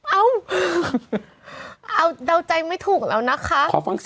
เอาเอาดาวน์ใจไม่ถูกแล้วนะคะ